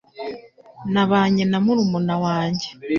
Nabanye na murumuna wanjye